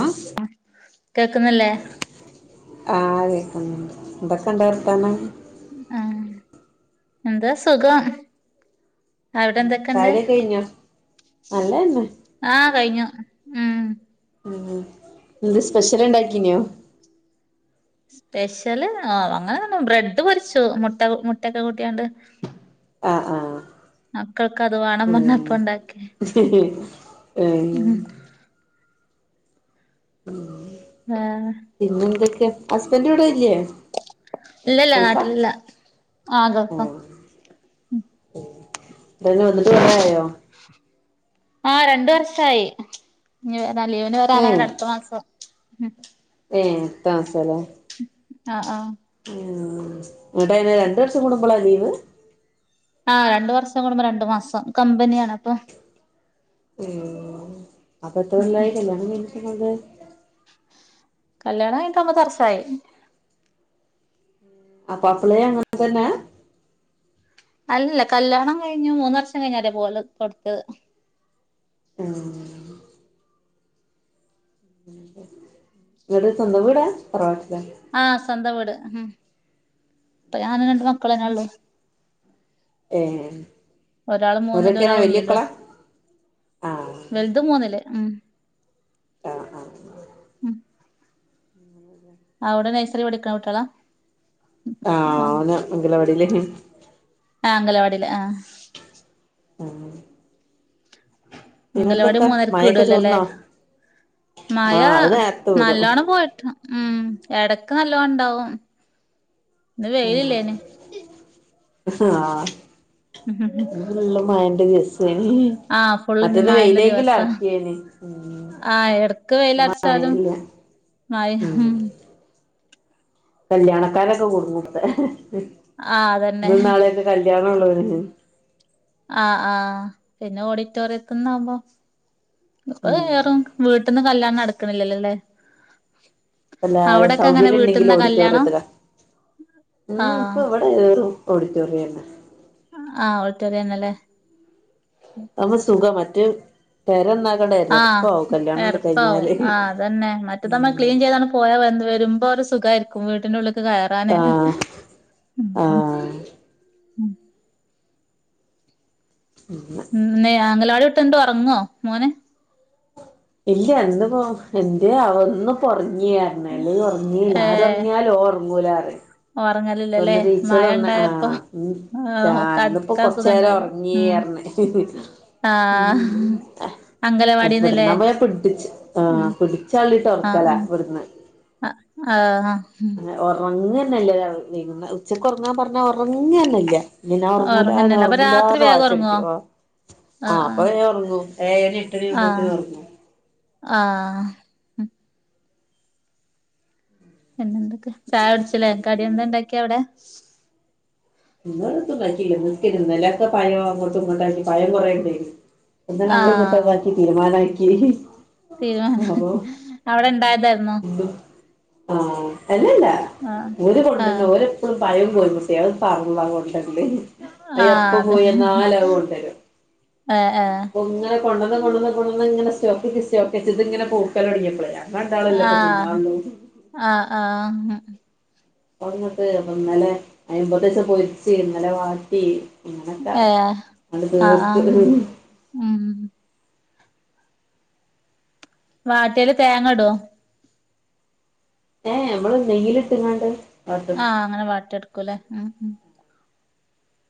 ആഹ് കേക്കുന്നില്ലെ? ആഹ് കേക്കുന്നുണ്ട്‌. എന്തൊക്കണ്ട്‌ വർത്താനം? ആഹ് എന്താ സുഖം. അവിടെ എന്തൊക്കെണ്ട്? ചായുടിയൊക്കെ കഴിഞ്ഞോ നല്ലതന്നെ ആഹ് കഴിഞ്ഞു ഉം ന്ത്‌ സ്പെഷ്യല് ഇണ്ടാക്കിനോ? സ്പെഷ്യല് ആഹ് അങ്ങനെന്നും ബ്രെഡ് പൊര്ച്ചു മുട്ട മുട്ടക്കെ കൂട്ടിയാണ്ട്. അഹ് ആഹ് മക്കൾക്ക് അത് വാണം പർഞ്ഞപ്പ ണ്ടാക്കി ഹ് ഹ് ഉം ഓ ഏഹ് പിന്നെന്തൊക്കെയാ ഹസ്ബൻഡ് വിടെ ഇല്ലേ? ഇല്ലല്ല ഗൾഫാ നാട്ടില് ല്ല ആഹ് ഗൾഫാ [unintelligible] വന്നിട്ട് കൊറേ ആയോ? ആഹ് രണ്ട്‌ വർഷായി. ഇഞ്ഞ്‌ ലീവ്ന് ഏഹ് വരാനായിണ് അടുത്ത മാസം ഉം ഏഹ് അട്ത്ത മാസം ല്ലെ അഹ് ആഹ് ന്ന്ട്ടങ്ങനെ രണ്ടു വർഷം കൂടുമ്പളാ ലീവ്? ആഹ് രണ്ടു വർഷം കൂടുമ്പോ രണ്ടു മാസം കമ്പനിയാണ് അപ്പൊ ഉം അപ്പൊ എത്ര കൊല്ലായി കല്യാണം കഴിഞ്ഞിട്ട് ങ്ങൾത്? കല്യാണം കഴിഞ്ഞിട്ട് ഒമ്പത് വർഷായി അപ്പൊ അപ്പളെ അങ്ങനെ തന്നെ അല്ലല്ല കല്യാണം കഴിഞ്ഞു മൂന്ന് വർഷം കഴിഞ്ഞരെ പോവൽ തൊടത്തിയത് ഉം. ങ്ങള് സ്വന്തം വീടാ തറവാട്ടിലാ? ആഹ് സ്വന്തം വീട് ഉം ഇപ്പ ഞാനും രണ്ട് മക്കളന്നെ ഉള്ളു ഏ ഒരാള് മൂന്നിലും അവരൊക്കെനാ ഒരാൾ ഒന്നിലു അ വല്യക്കളാ ആ വലുത് മൂന്നിൽ ആഹ് ആഹ് അവടെ നൈസറി പഠിക്കക്കണ കുട്ടികള ആഹ് ഓന് അംഗലവാടിലെനി ആഹ് അംഗലവാടിൽ ആഹ് [unintelligible] അംഗലവാടി പിന്നെന്തൊക്കാ മൂന്നരക്ക് വിടോ മഴയൊക്കെ ല്ലോല്ലേ ചോർന്നോ ആ മയ അത് നേരത്തെ വിടും നല്ലോണം പോയിട്ട് ഉം എടക്ക് നല്ലോം ഉണ്ടാവും ആഹ് [unintelligible] മയന്റെ ദിവസേന ആഹ് ഫുൾന്ന് മയന്റെ ദിവസം ഉം ആഹ് എടക്ക് വെയിലറ്ച്ചാലും മഴയില്ല മയ ഉം ഹും കല്യാണക്കാരൊക്കെ കുടുങ്ങും ആഹ് ഇന്നും അതന്നെ നാളെയൊക്കെ കല്യാണം ഉള്ളോര് ആഹ് ആഹ് പിന്നെ ഓഡിറ്റോറിയത്തിനിന്ന് ആകുമ്പോ ഇപ്പൊ ഉം കേറും വീട്ടിന്ന് കല്യാണം നടക്ക് ണില്ലല്ലോലേ അല്ലാരും അങ്ങനെ സൗകര്യം വീട്ടിന്ന ഉണ്ടെങ്കിലും കല്യാണം ഓഡിറ്റോറിയത്തിലാ ഉം ഇപ്പ ആഹ് വ്ട് ഇപ്പൊ ഏറും ഓഡിറ്റോറിയന്നെ ആ ഓഡിറ്റോറിയംന്നെ ലെ അപ്പൊ സുഖ മറ്റെ പെര നന്നാക്കണ്ടേ ആഹ് എരപ്പാവും ആഹ് അതന്നെ മറ്റേത് നമ്മൾ ക്ലീൻ ചെയ്താണ് പോയാ വന്ന് വരുമ്പോ ഒരു സുഖായിരിക്കും വീട്ടിന്റെ ഉള്ളിക്ക് കയറാന് ആഹ് ആഹ് ഉ ഇന്ന് അങ്കലാടി വിട്ടി വന്നിട്ട് ഉറങ്ങോ മോന് ഇല്ല ഇന്ന് പ്പോ എൻന്തേ ആവോ ഇന്ന് പ്പോ ഉറങ്ങി പറഞ് ഇല്ലകിൽ ഉറങ്ങ [unintelligible] ആര് ഏഹ് ഉറങ്ങിയാലും ഓന് ഉറങ്ങൂല പറയും പ്പന്ന് ഒറങ്ങലില്ലല്ലേ ടീച്ചർ മഴ പറഞ്ഞ് ഇണ്ടായപ്പോ ആഹ് ആഹ് ഇന്ന് പ്പോ കടക്കാൻ കൊറച്ചു നേരം സുഖണ്ടായതോ ഉറങ്ങി ഉം റഞ് ആഹ് അംഗലവാടിന്ന്ല്ലേ ഇവിടന്ന് പിടിച്ചു ആ ഉം പിടച് അള്ളിട്ട് ഉറക്കല ആഹ് ആഹ് ഇവിടുന്ന് അ ആഹ് ഉറങ്ങന്നല്ല ഉച്ചക്ക് ഉറങ്ങാൻ പറഞ്ഞാ ഉറങ്ങന്നല്ല ഇനി ഞാൻ ഉറങ്ങൂലന്ന് ഒറങ്ങന്നല്ല അപ്പൊ ഉറങ്ങൂല രാത്രി ന്ന് വേഗം വാശി ഒറങ്ങോ പിടികുവാ ആഹ് അപ്പൊ വേഗം ഒറങ്ങും ഏഴണി ആഹ് എട്ടണിമ്പോതിന് ഒറങ്ങും ആഹ് ഉം പിന്നെന്തൊക്കെ ചായുടിച്ചില്ലേ കടിഎന്തണ്ടാക്കിയവിടെ ഇങ്ങ ഉണ്ടാക്കിില്ല നിനക്ക് ഇരുന്നലൊക്കെ പയം അങ്ങോട്ടും ഇങ്ങോട്ടാക്കി പയം കുറേണ്ടാഏന് [unintelligible] ആഹ് ഇന്നലങ്ങളിങ്ങോട്ടക്കാക്കി തിരുമാനാക്കി തിരുമാനം അവിടെണ്ടായതായിരുന്നൊ ആ അല്ലല്ല ആഹ് ഒര് കൊണ്ട്‌ര്ണം ആഹ് ഓലെപ്പോഴും പയത് പോലെ ബിസിയാണ് താർുള്ളകോ ലല [unintelligible] ആഹ് അയപ്പ അതെ പോയന്നാലും അത് കൊണ്ടരും ഏഹ് ഏഹ് അപ്പൊ ങ്ങ കൊണ്ടന്ന് കൊണ്ടന്ന് കൊണ്ടന്ന് ഇങ്ങനെ സ്റ്റോക്കച്ച് സ്റ്റോക്കെച്ച് ഇത് ഇങ്ങനെ പൂക്കലൊട്ങ്ങിയപ്പ്ളേ ങ്ങ രണ്ടാളു അല്ലെ പ്പ ആഹ് തിന്നാള്ളൂ ആഹ് ആഹ് ന്നിട്ട് ഇപ്പന്നലെ [unintelligible] പൊര്ച്ച് ഇന്നലെ വാട്ടി ഏഹ് ആഹ് ആഹ് [unintelligible] ഉം വാട്ടിയാല് തേങ്ങടോ ഏഹ് ഞമ്മള് നെയ്യ്ല്ട്ട്ങ്ങാണ്ട് ആഹ് അങ്ങനെ വാട്ടിട്ക്കൂല്ലേ ഉം ഉം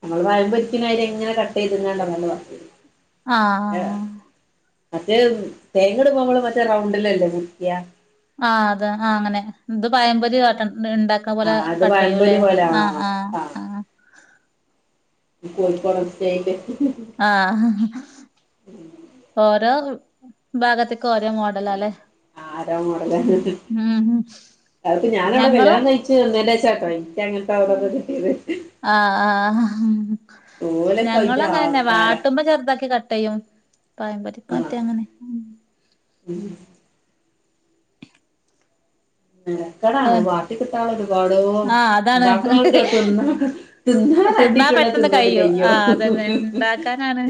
നമ്മള് പയം പൊര്ച്ച്ണാരി ഇങ്ങനെ കട്ടെയ്ത്ങ്ങാണ്ട് അങ്ങനെ മ ആഹ് മറ്റേ തേങ്ങട്മ്പൊ മ്മള് മറ്റേ റൗണ്ടിലല്ലേ മുറിക്ക ആഹ് അത് ആ അങ്ങനെ ഇത് പായംപൊരി വാട്ട് ഇണ്ട ക്ക പോലെ ആ അത് കട്ടെയ്യു പഴംപൊരി ല്ലെ പോലെ ആ ആഹ് ആഹ് ആ ആഹ് കോഴിക്കോടൻ സ്റ്റൈല് ആഹ് ഓരോ ഭാഗത്ത്ക്ക് ഓരോ മോഡലാല്ലേ ആ രോ മോഡലാണ് ഉം ഉം ഉം. അത് പ്പ ഞാനവ്ടെ ഞങ്ങളും കല്യാണം കഴി ച്ച് നിന്നേന്റെഷട്ടോ ഇൻക്ക് അങ്ങൻത്തെ [unintelligible] കിട്ടിയേത്. ആഹ് ആഹ് ഓലൊക്കെ ഞങ്ങളും അതിന്റെ അങ്ങനന്നെ ആൾക്കാരാ വാട്ടുമ്പോ ചെർതാക്കി കട്ടെയ്യും. പഴംപൊരിക്ക് ആ മറ്റേ അങ്ങനിം ഉം മെനക്കടാണ് വാ ട്ടി കിട്ടാള്ള ഒരു പാടോ ആഹ് അതാണ് ഇണ്ടാക്ക്ണോൽക്ക് അത് തിന്നാ തിന്നാ രണ്ടിൻറ്റോണ്ട് ത് പെട്ടെന്ന് തിന്നാണ്ട് കഴിയും കയ്യൂ ആഹ് അതന്നെ ഇണ്ടാക്കാനാണ്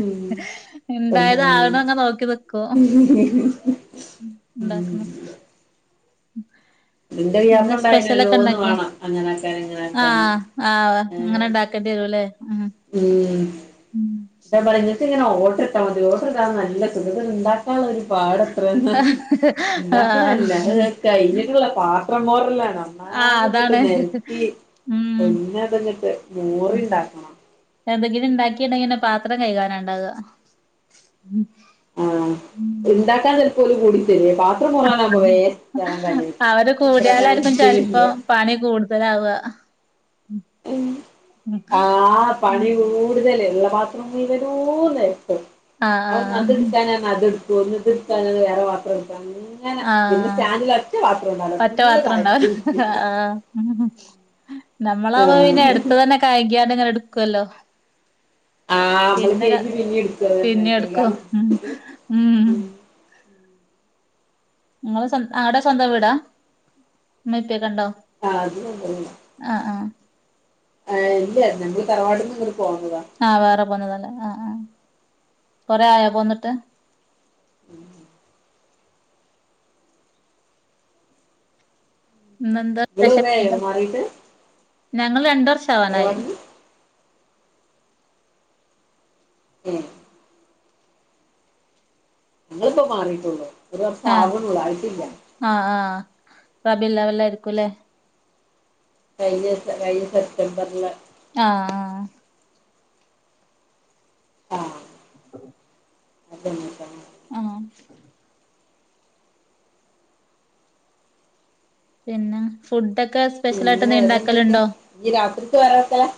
ഇണ്ടായത് ആവണ ഉം അങ്ങ് നോക്കി നിക്കും നിന്റെ ഉ എന്താ വ്യാപണ്ടായതിന് ഓരോന്ന് സ്പെഷ്യലെക്കെണ്ടാക്കാ വേണം അങ്ങനെ ആക്കാൻ ഇങ്ങനെ ആക്കാന് ആഹ് ആഹ് ഏ ങ്ങെനെണ്ടാ ക്കെണ്ട്യെരുലേ ഉം ഹും ഉം ഞാ പറിം ഇങ്ങക്ക്ങ്ങെനെ ഓഡർട്ടാ മതി ഓഡറ്ടാൻ നല്ല സുഖാ തൊന്ന്ണ്ടാ ക്കാള്ളൊര് പാടെത്രെന്നാ ആഹ് ണ്ടാക്ക്ണല്ല അത് അത് കയ്ഞ്ഞിട്ട്ള്ള പാത്രം മോറലാണ ആഹ് ആകെങ്ങെട്ട് അതാണ് നെരത്തി ഒ ഉം [unintelligible] ങ്ങെട്ട് മോറിണ്ടാക്കണം എന്തെങ്കിലും ഇണ്ടാക്കീണ്ടെങ്ങി ന്നെ പാത്രം കെയ്കാനാണ്ടാകാ ആഹ് ഇണ്ടാക്കാൻ ചെൽപ്പോല് കൂടിതര്വേ പാ ത്രം മോറാനാ കൊറേ അവര് കൂടിയാലായിരിക്കും ചെലപ്പോ [unintelligible] പണി കൂട്തലാവാ ഉം ആഹ് പണി കൂട്തല് ഇള്ള പാ ത്രം മുയ്‌വെനൂം നെര്ത്തും ആഹ് ആഹ് അവ്ട്ന്നത്ട്ക്കാനാ അത്ട്ക്കും ന്ന് ത്ടക്കാനാ [unintelligible] പാത്രട്ക്കാ ങ്ങെനെ പിന്നെ ആഹ് സ്റ്റാന്റിലൊറ്റ പാത്രുംണ്ടാവ്‌ല ഫുള്ള് തായെത്ത് ഉം നമ്മളാവുമ്പ പിന്നെ ആഹ് എട്ത്തതന്നെ കഴ്ക്യാണ്ട് ങ്ങെനെ ട്ക്കല്ലോ ആഹ് നമ്മള് പിന്നെ ക കെയ്കി പിന്നേം എടുക്കും അതന്നെ പിന്നിം കെയ്കാൻ എട്ക്കും ഉം ഉം ങ്ങെള് സ്വ ആടെ സ്വന്തം വീടാ ഉമ്മിം പ്പെക്കെണ്ടോ ആഹ് ഇത് സ്വന്തം വീടാ ആഹ് ആഹ് ആഹ് ഇല്ല്യാ ഞങ്ങള് തറവാട്ട്ന്ന്ങ്ങെട്ട് പോന്നതാ ആഹ് വേറെ പോന്നതല്ലേ ആഹ് ആഹ് കൊറേ ആയോ പോന്ന്ട്ട് ഉം ഇന്നെന്താ ഇങ്ങള് പെഷെൽ കൊറേ ആയോ ഡ് മാറീട്ട് ഞങ്ങള് രണ്ട് വർഷാവാനായി തറവാട്ട്ന്ന് ഉം ഞങ്ങള്പ്പാെ മാറീട്ടാെള്ളൂ ഒര് ആഹ് വർഷാക്ണൊള്ളൂ ആയ്ട്ടില്ല ആഹ് ആഹ് റബില്ലവലായ്രിക്കും ലേ കഴിഞ്ഞ കഴിഞ്ഞ സെപ്റ്റംബർല് ആഹ് ആഹ് ആഹ് അതെന്നെ ട്ടൊ ആം പിന്നെ ഫുഡ്ഡാെക്കെ പിന്നെ വേറെന്തൊക്ക്യാ ഞ്ഞ് രാത്രിക്ക് വേറെ വെക്കെലാ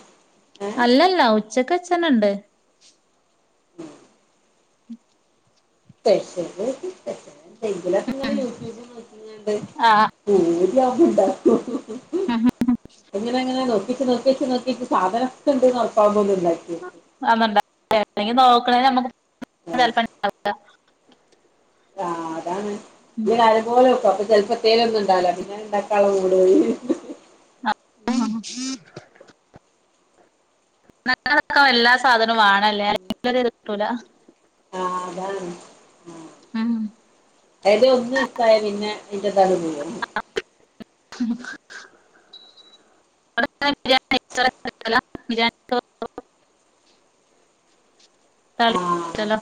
അല്ല അല്ലാ ഉച്ചക്ക് വെച്ചെന്നെണ്ട് ഉം സ്പെഷ്യല് സ്പെഷ്യൽ എന്തെങ്കിലുക്കെങ്ങെനെ യൂട്യൂബ് നോക്കിങ്ങാണ്ട് ആഹ് [unintelligible] ലാ എങ്ങെനെങ്ങനെ നോ ക്കീട്ടും നോക്കീട്ടും നോക്കീട്ടും സാധനൊക്കെ ഇണ്ട്ന്ന് ഒർപ്പാവ്ണു [unintelligible] [unintelligible] നോക്ക്ണെ നമ്മുക്ക് [unintelligible] ആഹ് ലാ ആഹ് അതാണ് നല്ലെപോലെ വെക്കും അപ്പൊ ചെൽപ്പൊ ഏത്തേലൊന്ന്ണ്ടാവ്‌ലാ പിന്നാണെ ണ്ടാക്കാള്ളെ മൂട് പോയ് [unintelligible] [unintelligible] എല്ലാ സാധനും വാണല്ലേ അല്ലെങ്കിലൊര്ത് ട്ടൂല ആഹ് അതാണ് ഉം ഏതെ ഒന്ന് മിസ്റ്റായ പിന്നെ അയ്ന്റെ താണ്ട് പോവ്‌ലെ [unintelligible] [unintelligible] തളി ആഹ് ച്ചലാ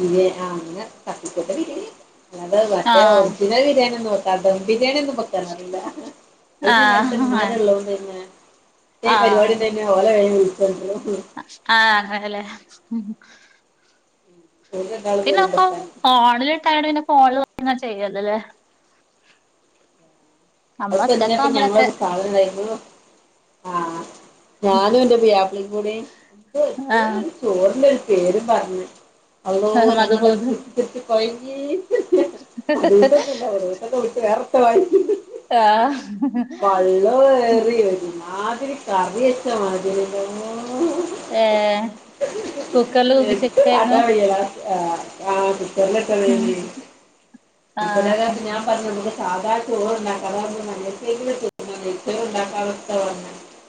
ബിര്യേ ആഹ് അങ്ങെനെ തട്ടിക്കൂട്ട് ബിര്യാണ്യെക്കും അല്ലാതെ മറ്റേ ആഹ് ഒറിജിനൽ ബിര്യാണി ഒന്നും വെ ദം ബിരിയാണി ഒന്നും വെക്ക [unintelligible] അന്റെ നേരത്ത് ആഹ് ഉമ്മാര് ഒള്ള ആഹ് പിന്നെ [unintelligible] ഓല [unintelligible] ആഹ് ഹലേ ഉം പോകാ പിന്നെ അപ്പൊ ഫോണിലിട്ടാണ്ട് പിന്നെ ഫോണ്ലിങ്ങനെ ചെയ്യല്ലല്ലേ നമ്മള് അതിപ്പ എന്താപ്പൊ ഒറ്റക്കാവുമ്പളൊക്കെ ഞങ്ങളൊരു സാധനം [unintelligible] ആഹ് ഞാനും എന്റെ പ്യാപ്പിളേം കൂടി ആഹ് ചോറിൻ്റൊരു പേരും പറഞ്ഞു അള്ളോ ഞങ്ങളുടെ മധുഹൂദ് വി കുട്ടി കൊയങ്ങി ഇല്ല [unintelligible] വേറെന്തോ ആയി ആഹ് വെള്ളം ഏറിയ ഒരു മാതിരി കറി വച്ച മാതിരി എന്റമ്മോ ഏഹ് കുക്കറില് എന്തും കൂക്കിച്ചക്കായിരുന്നു കാട്ടാൻ വയ്യ ആഹ് ആഹ് ഉം കുട്ടി ആഹ് [unintelligible] ഞാൻ പറഞ്ഞു നമുക്ക് സാധാ ചോറ് ഇണ്ടാക്കാ അതാവുമ്പോ നല്ല [unintelligible]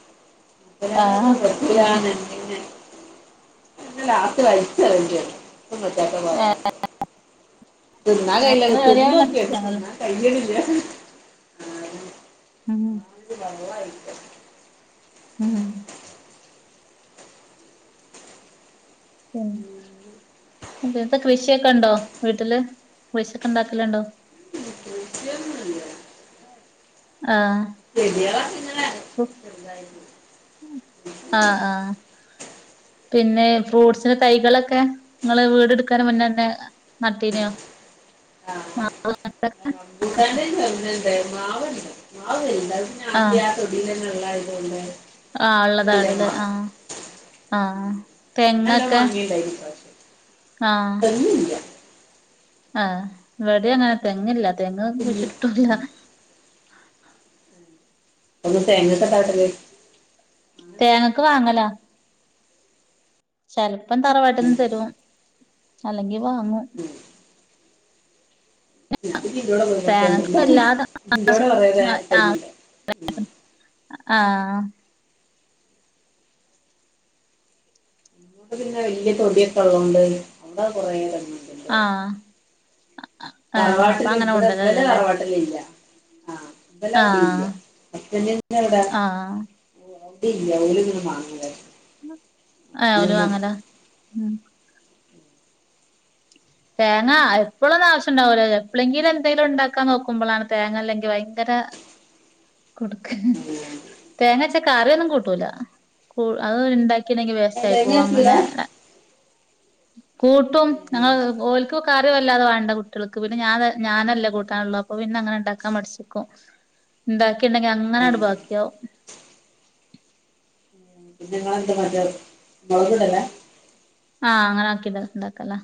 [unintelligible] ആഹ് പിന്നെ ലാസ്റ്റ് വൽച്ചെറിയണ്ടി വന്ന് [unintelligible] ഏഹ് തിന്നാൻ കയ്യുലല്ലോ നേരം ഏറിയാ പിന്നെ അത് തിന്നോക്ക്യാ തന്നെയല്ലേ [unintelligible] കയ്യണില്ല ആഹ് ഇത് വെള്ളായി [unintelligible] ആഹ് ഉം പിന്നത്തെ കൃഷിയൊക്കെ ഉണ്ടോ വീട്ടില് കൃഷിയൊക്കെ ഇണ്ടാക്കല്ണ്ടോ കൃഷി ഒന്നും ഇല്ല ആഹ് ചെടികളൊക്കെ ഇങ്ങനെ ചെറുതായി ആഹ് ആഹ് പിന്നെ ഫ്രൂട്സിന്റെ തൈകളൊക്കെ നിങ്ങള് വീടെടുക്കുന്ന മുന്നെ തന്നെ നട്ടീനോ [inaudible] [inaudible] പിന്നെ ആഹ് [unintelligible] കൊണ്ട് ആഹ് ഉള്ളതാണ്ല്ലേ ആഹ് ആഹ് നല്ല തെങ്ങൊക്കെ മാങ്ങയുണ്ടായിരുന്നു പ്രാവശ്യം ആഹ് തെങ്ങില്ല ആഹ് ഇവിടെ അങ്ങനെ തെങ്ങില്ല തെങ്ങൊന്നും കുഞ്ഞ്. വെച്ചിട്ടൊന്നുല്ല [unintelligible] തേങ്ങ ഇട്ട് ആട്ടല് തേങ്ങക്ക് വാങ്ങല ചെലപ്പം തറവാട്ടിന്ന് ഉം. തരും അല്ലെങ്കി വാങ്ങും ഉം. ഞാൻ പിന്നെ ഇന്ത്യയോടെ പോയി പഠിച്ചോണ്ടില്ല തേങ്ങക്ക് [unintelligible] ഇല്ലാന്ന് ഇന്ത്യയോടെ കുറേ തേ- [unintelligible] ആഹ് തെങ്ങുണ്ട് ഉം. ആഹ് അ പിന്നെ വലിയ തൊടിയൊക്കെ ഉള്ളൊണ്ട് [unintelligible] കുറേ ആഹ് ഏഹ് അപ്പൊ തറവാട്ടില് അങ്ങനെ ഇവിടെ ഇവല കൊണ്ടരലല്ലേ തറവാട്ടിലില്ല ആഹ് ഇന്നലെ അവിടെ ഇല്ല ആഹ് അച്ഛന് അവിടാ ആഹ് [unintelligible] ആ ഓല് വാങ്ങലാ തേങ്ങ എപ്പളൊന്നും ആവശ്യം ഇണ്ടാവില്ലല്ലോ എപ്പെളെങ്കിലും എന്തെങ്കിലും ഉണ്ടാക്കാൻ നോക്കുമ്പോളാണ് തേങ്ങ ഇല്ലെങ്കി ഭയങ്കര കൊടുക്ക തേങ്ങച്ചാ കറിയൊന്നും കൂട്ടൂല അത് ഇണ്ടാക്കി ന്നെങ്കി വേസ്റ്റ് ആയി തേങ്ങ പോവും അരക്കില്ല അങ്ങനെ കൂട്ടും ഞങ്ങ ഓൽക്ക് കറി വല്ലാതെ വേണ്ട കുട്ടികൾക്ക് പിന്നെ ഞൻ ഞാനല്ല കൂട്ടാനുള്ളേ അപ്പൊ പിന്നെങ്ങനെ ഉണ്ടാക്കാൻ മടിച്ചു എന്താക്കി ഇണ്ടെങ്കി അങ്ങനങ്ങ് ബാക്കിയാവും പിന്നെ [unintelligible] മൊളക് തരാം ആഹ് അങ്ങനെ ആക്കീതാ ഉണ്ടാക്കാല്ലേ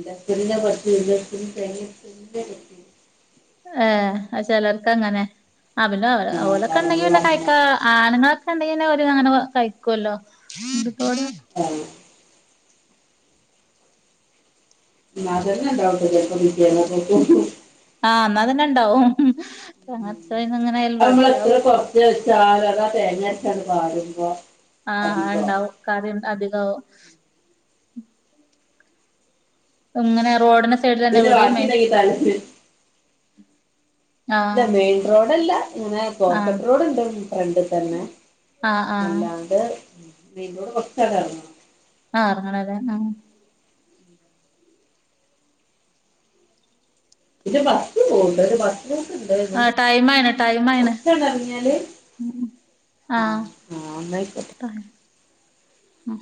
[unintelligible] ഏഹ് ചിലർക്ക് അങ്ങനെ ആഹ് പിന്നെ ആ ഓലൊക്കെ ഉണ്ടെങ്കി പറഞ്ഞു പിന്നെ പറഞ്ഞു കഴിക്കാ ആണുങ്ങളൊക്കെ ഉണ്ടെങ്കിനെ ഒരു അങ്ങനെ കഴിക്കുല്ലോ ആഹ് നതന്ന ഡൗട്ടക്ക [unintelligible] ആഹ് ന്നാതന്നെ ഇണ്ടാവും ത്രേന്നുംഅങ്ങനായാലും നമ്മള എത്ര കൊറച്ച് വച്ചാലുതാ തേങ്ങരച്ചാണ് വാടുമ്പോ ആഹ് ഉണ്ടാവും കാര്യം അധികവും ഇങ്ങനെ റോഡിന്റെ സൈഡിൽ തന്നെ പിന്നെ വീട് റോഡ്. [unintelligible] ഇല്ല ആഹ് മെയിൻ റോഡല്ല ഇങ്ങനെ ആഹ് പോക്കറ്റ് റോഡ് ഉണ്ട് ഫ്രണ്ട് തന്നെ ആഹ് ആഹ് അല്ലാണ്ട് നിതൂട പൊറത്തെറങാമോ ആഹ് എറങ്ങണല്ലേ ഉം ഇത് ബസ് പോണ്ട് ഒരു ബസ് ആഹ് ടൈം ആയിണ് ടൈം ആയിണ് കൊറച്ചണ്ടെറങ്ങിയാല് ആഹ് ആഹ് ന്നായ്ക്കോട്ടെ ഉം